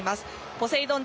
ポセイドン